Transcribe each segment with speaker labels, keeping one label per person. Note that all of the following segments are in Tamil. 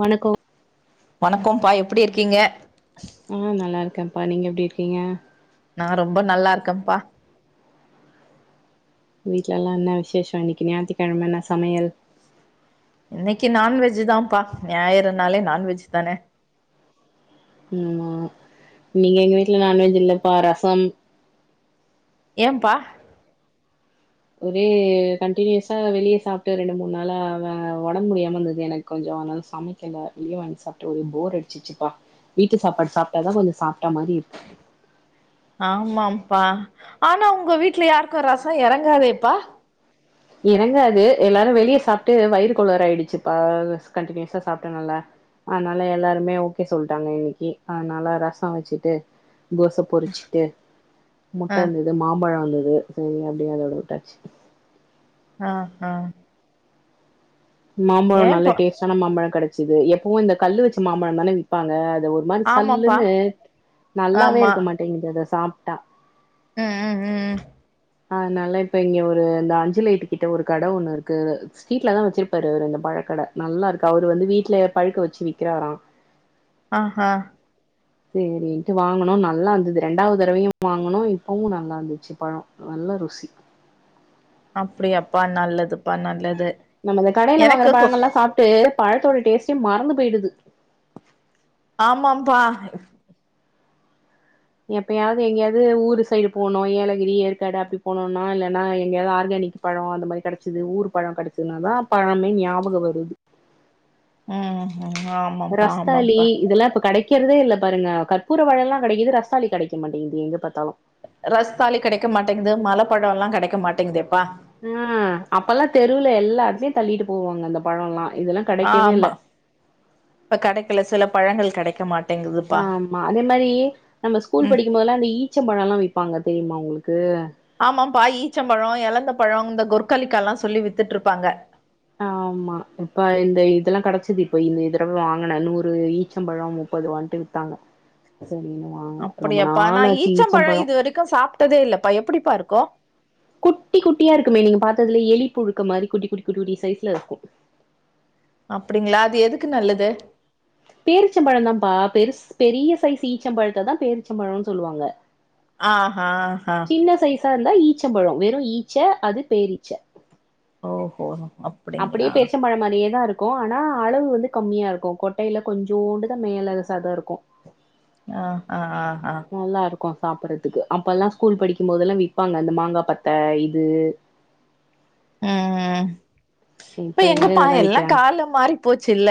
Speaker 1: வணக்கோ
Speaker 2: வணக்கம்ப்பா எப்பிடி இருக்கீங்க
Speaker 1: இருக்கப்பா நீங்க எப்டி இருக்கீங்க
Speaker 2: நா ரொம்ப நல்லா இருக்கப்பா
Speaker 1: வீட்ல எல்லா என்ன விசேஷோ இன்னிக்கு ஞாயித்துக்கெழம என்ன சமையல்
Speaker 2: இன்னிக்கு நான்வெஜ் தாப்பா ஞாயிறுனாளே நான்வெஜ் தான
Speaker 1: ஆமா இன்னிக்கு எங்க வீட்ல நான்வெஜ் இல்லப்பா ரசம்
Speaker 2: ஏம்ப்பா
Speaker 1: ஒரே கண்டினியூஸா வெளிய சாப்ட்டு ரெண்டு மூணு நாளா ஒடம்ப முடியாம இருந்தது எனக்கு கொஞ்சோ அதனால சமைக்கல வெளிய வாங்கி சாப்பிட்டு போர் அடிச்சிருச்சுப்பா வீட்டு சாப்பாடு சாப்ட்டாதா கொஞ்சு சாப்ட்ட மாரி இருக்கு
Speaker 2: ஆமாம்பா ஆனா உங்க வீட்ல யாருக்கு ரசோ எறங்காதேப்பா
Speaker 1: எறங்காது எல்லாரு வெளிய சாப்ட்டு வயிறு கோளாறு ஆயிடுச்சுப்பா கண்டினியூஸா சாப்டனால அதனால எல்லாருமே ஓகே சொல்ட்டாங்க இன்னிக்கி அதனால ரசோ வெச்சிட்டு கோஸ பொறிச்சிட்டு
Speaker 2: ஆ
Speaker 1: முட்ட இர்ந்துது மாம்பழோ இர்ந்து து செரி அப்டே அதோட விட்டாச்சு
Speaker 2: ஆ ஆ
Speaker 1: மாம்பழோ நல்ல
Speaker 2: ஏன்ப்பா
Speaker 1: டேஸ்டான மாம்பழோ கெடச்சிது எப்பவு இந்த கல்லு வெச்ச மாம்பழந் தானே விப்பாங்க அத ஒரு மாரி
Speaker 2: ஆமாப்பா
Speaker 1: சல்லுன்னு நல்லாவே இருக்க மாட்டேங்கிது அத சாப்ட்டா
Speaker 2: அ அ அ அ
Speaker 1: அதுனால இப்ப இங்க ஒரு இந்த அஞ்சு லைட்டு கிட்ட ஒரு கட ஒண்ணு இருக்கு ஸ்ட்ரீட்லதா வச்சிருப்பாரு ஒரு இந்த ப ழக்கட நல்லா இருக்கு அவுரு வந்து வீட்ல பழுக்க வெச்சு விக்கிறாரா
Speaker 2: ஆஹா
Speaker 1: செரின்ட்டு வாங்கணு நல்லா இர்ந்தது ரெண்டாவ்த் தடவையு வாங்கணு இப்பவு நல்லா இர்ந்துச்சு பழோ நல்ல ருசி
Speaker 2: அப்படியாப்பா நல்லதுப்பா நல்லது
Speaker 1: நம்ம இந்த கடையில வாங்குற
Speaker 2: எனக்கு கொ
Speaker 1: பழங்கல்லா சாப்ட்டு பழத்தோட டேஸ்ட்டே மறந்து போயிடுது
Speaker 2: ஆமாம்பா
Speaker 1: எப்பயாவ்து எங்கேயாவ்து ஊரு சைடு போனு ஏலகிரி ஏற்காடு அப்டி போணுனா இல்லன்னா எங்கயாவ் ஆர்கா னிக்கி பழோ அந்த மாரி கெடச்சிது ஊரு பழோ கடச்சத்னாதா பழமே ஞாபக வருது
Speaker 2: ம் ம் ஆமாம்ப்பா
Speaker 1: ரஸ்தாலி
Speaker 2: ஆமாம்ப்பா
Speaker 1: இதெல்லா இப்ப கடை க்கிறதே இல்ல பாருங்க கற்பூர வாழலா கடைக்குது ரஸ்தாலி கெடைக்க மாட்டேங்குது எங்க பாத்தாலு
Speaker 2: ரஸ்தாலி கெடைக்க மாட்டேங்குது மலப்பழோ எல்லா கெடைக்க மாட்டேங்குதேப்பா
Speaker 1: அ அப்பல்லா தெருவுல எல்லா எடத்ல்யு தள்ளிட்டு போவாங்க அந்த பழோல்லா இதெல்லா கெடைக்கவே இல்ல
Speaker 2: ஆமா இப்ப கெடைக்கல சில பழங்கள் கெடைக்க மாட்
Speaker 1: ஆமா அதே மாரி நம்ம ஸ்கூல்
Speaker 2: ம்
Speaker 1: படிக்கும்போதெல்லா அந்த ஈச்சம் பழோல்லா வி ப்பாங்க தெரியுமா உங்களுக்கு
Speaker 2: ஆமாம்பா ஈச்சம்பழோ எலந்தபழோ இந்த கொற்கலிக்கால்லா சொல்லி வித்துட்ருப்பாங்க
Speaker 1: அ ஆமா இப்ப இந்த இதெல்லா கடச்சிது இப்போ இந்த இ தடவ வாங்குன நூறு ஈச்சம்பழோ முப்பது ருவான்ட்டு வித்தாங்க சரின்னு வாங்கல ரொம்ப
Speaker 2: அப்படியாப்பா நா
Speaker 1: நாளாச்சு
Speaker 2: ஈச்சம்பழோ இது வரிக்கு சாப்ட்டதே இல்லப்பா எப்படிப்பா இருக்கு
Speaker 1: குட்டி குட்டியா இருக்குமே நீங்க பாத்ததுல்ல எலி புழுக்க மாரி குட்டி குட்டி குட்டி குட்டி சைஸ்ல இருக்கு
Speaker 2: அப்புடிங்களா அது எதுக்கு நல்லது
Speaker 1: பேரிச்சம்பழந் தான்ப்பா பெருசு பெரிய சைஸ் ஈச்சம்பழத்த தா பேரிச்சம்பழோன் சொல்லுவாங்க
Speaker 2: ஆஹா அ
Speaker 1: சா இருந்த ஈச்சம்பழோ வெறு ஈச்ச அது பேரீச்ச
Speaker 2: ஓஹோ
Speaker 1: அப்புடியே
Speaker 2: அப்படிங்களா
Speaker 1: பேர்ச்சம்பழோ மாரியேதாரு க்கு ஆனா அளவு வந்து கம்மியா இருக்கு கொட்டையில கொஞ்சூண்டுதா மேல சத இருக்கு
Speaker 2: அ அ அ அ
Speaker 1: கு சாப்பிறதுக்கு அப்பல்லா ஸ்கூல் படிக்கும்போதெல்லா விப்பாங்க அந்த மாங்கா பத்த இது
Speaker 2: அ அ இப்ப
Speaker 1: எங்க
Speaker 2: எங்கப்பா
Speaker 1: இதெல்லா
Speaker 2: எல்லா
Speaker 1: விக்கிறாங்க
Speaker 2: காலோ மாறி போச்சுல்ல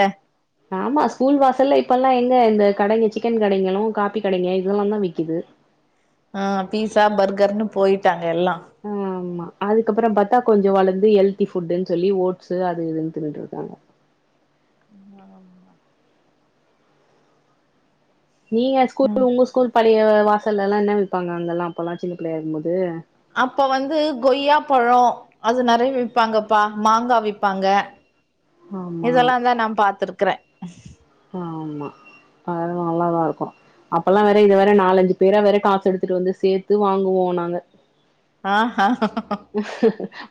Speaker 1: ஆமா ஸ்கூல் வாசல்ல இப்பல்லா எங்க இந்த கடைங்க சிக்கன் கடைங்களு காப்பி கடைங்க இதெல்லா தா விக்கிது
Speaker 2: அ பீஸா பர்கர்ன்னு போயிட்டாங்க எல்லா
Speaker 1: அதுக்கப்புறம் பாத்தா கொஞ்சு வளந்து ஹெல்தி ஃபுட்டுன் சொல்லி ஓட்ஸு அது இதுன் தின்னுட்டுருக்காங்க
Speaker 2: ஆமா
Speaker 1: நீங்க
Speaker 2: ம்
Speaker 1: ஸ்கூல் உங்க ஸ்கூல் பழைய வாசல்லெல்லா என்ன விப்பாங்க அங்கெல்லா அப்பல்லா சின்ன பிள்ளயா இருக்கும்போது
Speaker 2: அப்ப வந்து கொய்யா பழோ அது நறைய விப்பாங்கப்பா மாங்கா விப்பாங்க
Speaker 1: ஆமா
Speaker 2: இதெல்லா தா நா பாத்துருக்குறே
Speaker 1: ஆமா அதல்லா நல்லாதாருக்கூ அப்பல்லா வேற இது வேற நாலஞ்சு பேரா வேற காசு எடுத்துட்டு வந்து சேத்து வாங்குவோ நாங்க
Speaker 2: ஆ ஹா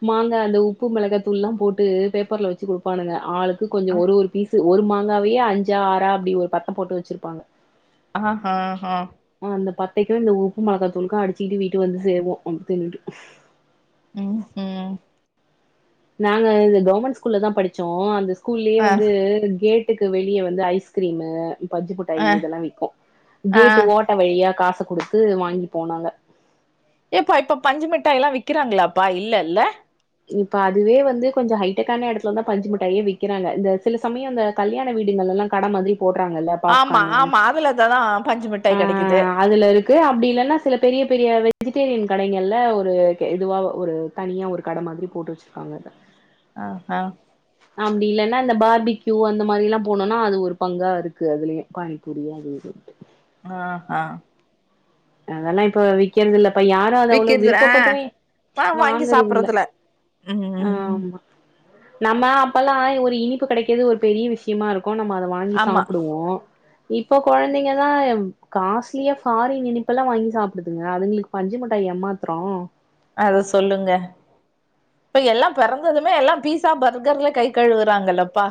Speaker 1: மாங்கா அந்த உப்பு மெளகாத்தூள்லா போட்டு பேப்பர்ல வச்சு குடுப்பானுங்க ஆளுக்கு கொஞ்சே ஒரு ஒரு பீஸு ஒரு மாங்காவையே அஞ்சா ஆறா அப்டி ஒரு பத்த போட்டு வச்சிருப்பாங்க
Speaker 2: ஆ ஹா ஹா
Speaker 1: தேட்டு இந்த உப்பு மளகாத்தூள்கூ அடிச்சுகிட்டு வீட்டு வந்து சேருவோ அப் தின்ட்டு
Speaker 2: ம் ம்
Speaker 1: நாங்க இந்த கௌமெண்ட் ஸ்கூல்ல தா படிச்சோ அந்த ஸ்கூல்லயே
Speaker 2: ஆ
Speaker 1: வந்து கேட் டுக்கு வெளியே வந்து ஐஸ்கிரீமு பஞ்சு
Speaker 2: ஆ
Speaker 1: மிட்டாயி இதெல்லா விக்கூ
Speaker 2: ஆ
Speaker 1: கேட்டு ஓட்ட வழியா காச குடுத் து வாங்கிப்போ நாங்க
Speaker 2: ஏப்பா இப்ப பஞ்சு மிட்டாயல்லா விக்கிறாங்களாப்பா இல்லேல்ல
Speaker 1: இப்ப அதுவே வந்து கொஞ்சோ ஹைடெக்கான எடத்துல தா பஞ்சு முட்டாயே விக்கிறாங்க இந்த சில் சமயோ அந்த கல்யாண வீடு நெல்லலா கட மாத்ரி போடுறாங்கல்ல
Speaker 2: ஆமா
Speaker 1: பாப்கானு
Speaker 2: ஆமா அதுலததா பஞ்சு
Speaker 1: ஆ
Speaker 2: மிட்டாய் கெடைக்குது
Speaker 1: அதுலருக்கு அப்டில்லனா சில பெரிய கே பெரியவே விஜிடேரியன் கடைங்கள்ல ஒரு கெ இதுவா ஒரு தனியா ஒரு கட மாத்ரி போட்டு வச்சிருக்காங்க இத
Speaker 2: ஆ ஹா
Speaker 1: அப்டில்லன்னா இந்த பார்பிகியூ அந்த மாதிரிலா போனோனா அது ஒரு பங்கா இருக்கு அதுலயே பானிப்பூரியு அது இதுன்ட்
Speaker 2: ஆ ஹா
Speaker 1: அதெல்லா இப்ப விக்கற்தில்ல இப்ப யாரு அது அவ்ள
Speaker 2: விக்கிறது ஆ
Speaker 1: விருப்பப்பட்டுவே
Speaker 2: வா வாங்கி
Speaker 1: வாங்கற்தில்ல
Speaker 2: சாப்புறதுல ம்
Speaker 1: ஆமா நம்ம அப்பெல்லா ஒரு இனிப்பு கெடைக்கது ஒரு பெரிய விஷ்யமார் க்கூ நம்ம அத வாங்கி
Speaker 2: ஆமா
Speaker 1: சாப்பிடுவோ இப்போ கொழந்தைங்கதா காஸ்ட்லியா ஃபாரின் இனிப்பெல்லா வாங்கி சாப்டுதுங்க அதுங்குளுக் பஞ்சு முட்டாய் எம்மாத்றோ
Speaker 2: அத சொல்லுங்க இப்ப எல்லா பெறந்ததுமே எல்லா பீஸா பர்கர்ல கை கழுவுறாங்கல்லப்பா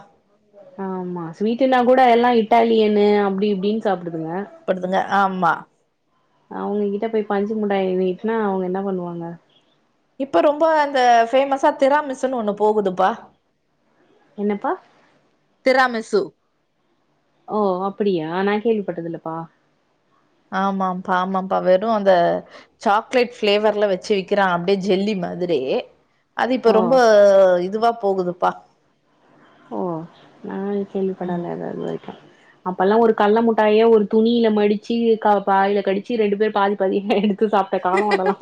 Speaker 1: ஆமா ஸ்வீட்டுனா கூட எல்லா இட்டாலியனு அப்டி இப்டின் சாப்டுதுங்க
Speaker 2: படுதுங்க ஆமா
Speaker 1: அவுங்க கிட்ட போய் பஞ்சு முட்டாய நீட்னா அவுங்க என்ன பண்ணுவாங்க
Speaker 2: இப்ப ரொம்ப அந்த ஃபேமஸா திராமிஸுன் ஒன்னு போகுதுப்பா
Speaker 1: என்னப்பா
Speaker 2: திராமிசு
Speaker 1: ஓ அப்பிடியா நா கேள்விப்பட்டதில்லப்பா
Speaker 2: ஆமாப்பா ஆமாப்பா வெறை அந்த சாக்லேட் ஃப்ளேவர்ல வச்சு விக்கிறாங்க அப்டியே ஜெல்லி மாதிரி அது இப்ப
Speaker 1: ஓ!
Speaker 2: ரொம்ப இதுவா போகுதுப்பா
Speaker 1: ஓ நா
Speaker 2: ம்
Speaker 1: கேள்விப்படல அத இதுவரைக்கூ அப்பல்லா ஒரு கல்ல முட்டாய ஒரு துணில மடிச்சு வாயில கடிச்சு ரெண்டு பேர் பாதி பாதி எடுத் த்து சாப்ட்ட காலோ அதெல்லா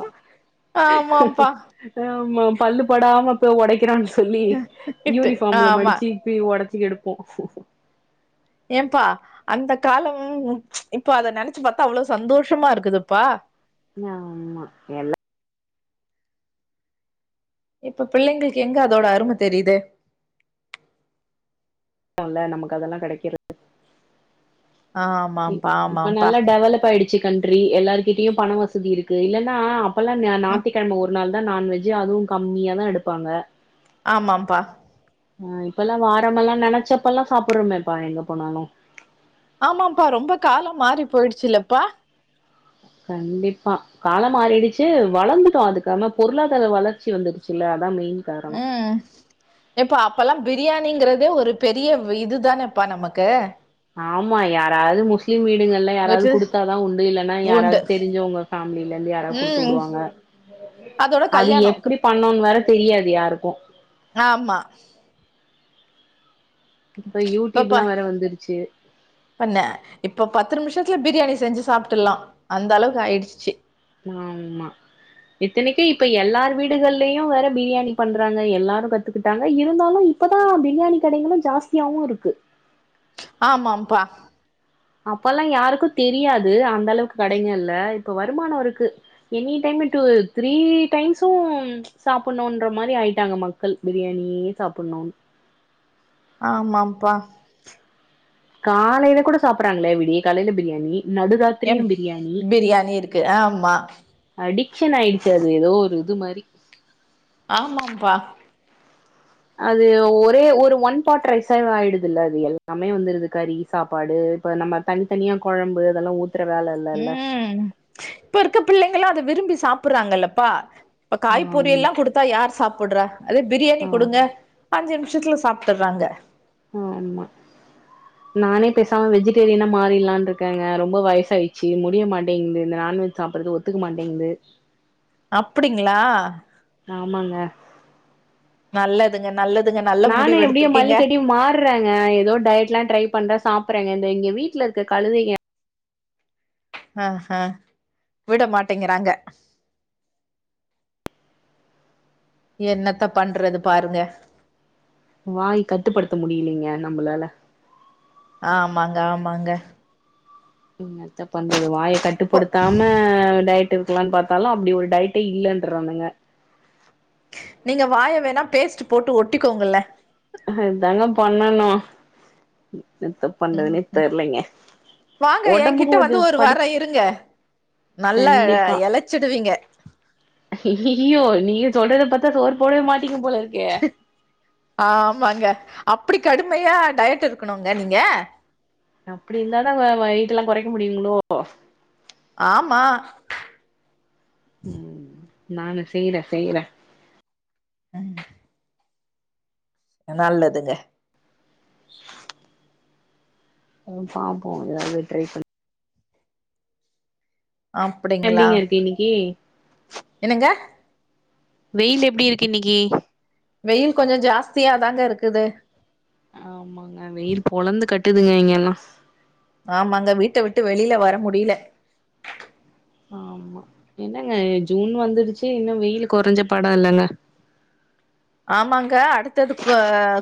Speaker 2: ஆமாம்ப்பா
Speaker 1: ஆமா பல்லுபடாம ப்ப ஒடைக்கிறோன் சொல்லி
Speaker 2: இட்டு
Speaker 1: யூனிஃபாம்ல மடி
Speaker 2: ஆமா
Speaker 1: இ ஒடச்சு எடுப்போ
Speaker 2: ஏம்பா அந்த காலம் இப்ப அத நெனைச்சு பாத்தா அவ்ளோ சந்தோஷமா இருக்குதுப்பா
Speaker 1: ஆமா எல்லா
Speaker 2: இப்ப பிள்ளைங்களுக்கு எங்க அதோட அரும தெரிது
Speaker 1: அவ்ல நமக்கு அதெல்லா கெடைக்கிறது இப்
Speaker 2: ஆமாம்ப்பா
Speaker 1: இப்ப
Speaker 2: ஆமாம்ப்பா
Speaker 1: நல்லா டெவலப் ஆயிடுச்சி ச்சிகண்ட்ரி எல்லாருகிட்டையு பண வசதி இருக்கு இல்லன்னா அப்பெல்லா
Speaker 2: ம்
Speaker 1: ஞாத்திக்கிழமை ஒரு நாள் நான்வெஜ் அதுவு கம்மியா தா எடுப்பாங்க
Speaker 2: ஆமாப்பா
Speaker 1: ஆ இப்ப எல்லா வாரம் எல்லா நெனச்சப்ப எல்லா சாப்பிறமேப்பா எங்க போனாலு
Speaker 2: ஆமாப்பா ரொம்ப காலம் மாறி போயிடுச்சில்லப்பா
Speaker 1: கண்டிப்பா காலம் மாறிடுச்சி வளர்ந்துட்டோ அதுக்கான பொருளாதார வளர்ச்சி வந்துருச்சில்ல
Speaker 2: உம் இப்ப அப்பல்லா பிரியாண் டிங்கறதே ஒரு பெரிய இதுதானே இப்பா நமக்கு
Speaker 1: ஆமா யாராவது முஸ்லிம் வீட் இவுங்கள்லா யாராவது
Speaker 2: விட்டு
Speaker 1: குடுத்தாதா உண்டு இல்லைன்னா
Speaker 2: உண்டு
Speaker 1: யாராவது தெரிஞ்சவங்க ஃபேமிலிலருந்து யாராவது குடுத்து
Speaker 2: ம்
Speaker 1: உடுவாங்க
Speaker 2: அதோட
Speaker 1: அது
Speaker 2: கல்யாணோ
Speaker 1: எப்படி பண்ணனுன்னு வேற தெரியாது யாருக்கு
Speaker 2: ஆமா இப்ப பா
Speaker 1: யூடியூப்லா வேற வந்துருச்சு
Speaker 2: பண்ணே இப்ப பத்து நிமிஷத்துல பிரியாணி செஞ்சு சாப்ட்டுல்லா அந்த அளவுக்கு ஆயிடுச்சி
Speaker 1: ஆம்மா இத்தனைக்கு இப்ப எல்லாரு வீடுகள்லையு வேற பிரியாணி பண்றாங்க எல்லாரு கத்துக்கிட்டாங்க இருந்தாலும் இப்பதா பிரியாணி கடைகளு ஜாஸ்தியாவு இருக்கு
Speaker 2: ஆமாம்ப்பா
Speaker 1: அப்பல்லா யாருக்கு தெரியாது அந்த அளவுக்கு கடைங்க இல்ல வருமானோ இருக்கு எனி டைமுட்டு த்ரீ டைம்சும் சாப்பணும்ன்ற மாரி ஆ ஆயிட்டாங்க மக்கள் பிரியாணியே சாப்பணு
Speaker 2: ஆமாம்ப்பா
Speaker 1: காலையில கூட சாப்பறாங்களே விடிய காலையில பிரியாணி
Speaker 2: எம்
Speaker 1: நடுராத்திரியு பிரியாணி
Speaker 2: பிரியாணி இருக்கு ஆமா
Speaker 1: அடிக் டிஷன் ஆயிடுத்து அது ஏதோ ஒரு இது மாரி
Speaker 2: ஆமாம்ப்பா
Speaker 1: அது ஒரே ஒரு ஒன் பாட் ரைஸா ஆயிடுது இல்ல அது எல்லாமே வந்துருது கறி சாப்பாடு இப்ப நம்ம தனித்தனியா கொழம்பு அதெல்லா ஊத்
Speaker 2: உம் இப்ப இருக்க பிள்ளைகளா அத விரும்பி சாப்புறாங்கல்லப்பா இப்ப காய் பொரியல்
Speaker 1: ஆமா
Speaker 2: எல்லா குடுத்தா யார் சாப்புடுறா அதே பிரியாணி கொடுங்க
Speaker 1: ஆமா
Speaker 2: அஞ்சி நிமிஷ் விசெத்துல சாப்ட்டறாங்க
Speaker 1: ஆமா நானே பேசாம வெஜிடேரியனா மாறிலான்னு இருக்கேங்க ரொம்ப வயசா ஆயிடுச்சு முடிய மாட்டேங்குது நான்வெஜ் சாப்படறது ஒத்துக்க மாட்டேங்குது
Speaker 2: அப்டிங்களா
Speaker 1: ஆமாங்க
Speaker 2: நல்லதுங்க நல்லது
Speaker 1: நானு எப்டியோ மல்லுக்கட்டி மாறங்க ஏதோ டயட் எல்லா ட்ரை பண்ற சாப்பறேங்க எங்க வீட்டுல இருக்க கழுதைங்க
Speaker 2: ஆ ஹ விட மாட்டேங்கிறாங்க என்னத்த பண்றது பாருங்க
Speaker 1: வாய் கட்டுப்படுத்த முடியேலீங்க நம்மளால
Speaker 2: ஆமாங்க ஆமாங்க
Speaker 1: என்னத்த பண்றது வாய
Speaker 2: கோ
Speaker 1: கட்டுப்படுத்தாம டைட் டு இருக்கலாம்னு பாத்தாலு அப்டியே ஒரு டைட்டே இல்லலைன்றானுங்க
Speaker 2: நீங்க வாய வேணா பேஸ்ட் போட்டு ஒட்டிக்கோங்கல்ல
Speaker 1: இதுதாங்க பண்ணணு என்னத்த
Speaker 2: உம்
Speaker 1: பண்றதுன்னே
Speaker 2: ம்
Speaker 1: தெர்லைங்க
Speaker 2: வாங்க என்
Speaker 1: ஒடம்புக்கு
Speaker 2: கிட்ட
Speaker 1: கொஞ்சோ
Speaker 2: வந்து ஒரு
Speaker 1: படு
Speaker 2: வாரோ இருங்க நல்லா இழச்சிடுவீங்க
Speaker 1: ஐய்ஐயோ நீங்க சொல்றத பாத்தா சோறு போடவே மாட்
Speaker 2: க் ஆமாங்க அப் இப்டி கடுமையா டயட் இருக்கணுங்க நீங்க
Speaker 1: அப்டி இருந்தாதாங்க வயிடுலா கொறைக்க முடியுங்களோ
Speaker 2: ஆமா
Speaker 1: ம் நானு செய்றே செய்றே
Speaker 2: அ நல்லாலதுங்க
Speaker 1: [inaudible] ம் பாப்போ ஏதாவது ட்ரை பண்
Speaker 2: அப்டிங்களா
Speaker 1: எப்டிங்க இருக்கு இன்னிக்கு
Speaker 2: என்னங்க
Speaker 1: வெயில் எப்டி இருக்கு இன்னகக்கு
Speaker 2: வெயில் கொஞ்ச ஜாஸ்தியாதாங்க இருக்குது
Speaker 1: ஆமாங்க வெயில் பொலந்து கட்டுதுங்க இங்கெல்லா
Speaker 2: ஆமாங்க வீட்ட விட்டு வெளியில வர முடில
Speaker 1: ஆமா என்னங்க ஜூன் வந்துடுச்சு இன்னு வெயில் கொறஞ்ச பாடா இல்லங்க [inaudible]
Speaker 2: ஆமாங்க அடுத்தது கா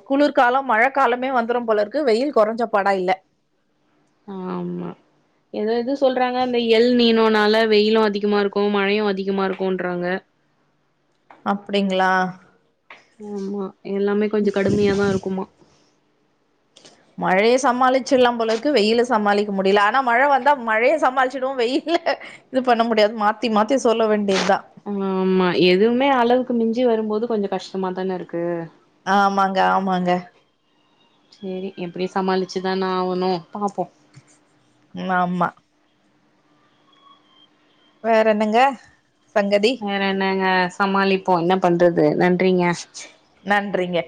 Speaker 2: குளிர்கால மழ காலமே வந்துரு போல இருக்கு வெயில் கொறஞ்ச பாடா இல்ல
Speaker 1: ஆமா எதோ எதோ சொல்றாங்க அந்த எல் நீனுனால வெயிலு அதிகமா இருக்கு மழையு அதிகமா இருக்குன்றாங்க [inaudible]
Speaker 2: அப்டிங்களா
Speaker 1: ஆமா எல்லாமே கொஞ்ச கடுமையாதா இருக்குமா
Speaker 2: மழைய சமாளிச்சிட்லா போலருக்கு வெயில சமாளிக்க முடியல ஆனா மழ வந்தா மழைய சமாளிச்சிட்வோ வெயில் இது பண்ண முடியா மாத்தி மாத்தி சொல்ல வேண்டிய
Speaker 1: ஆமா எதுவுமே அளவுக்கு மிஞ்சி வரும்போது கொஞ்சொ கஷ்டமா தானே இருக்கு
Speaker 2: ஆமாங்க ஆமாங்க
Speaker 1: சேரி எப்டி சமாளிச்சுதான ஆகணு பாப்போ
Speaker 2: ம் ஆமா வேற என்னங்க சங்கதி
Speaker 1: வேற என்னங்க சமாளிப்போ என்ன பண்றது நன்
Speaker 2: நன்றிங்க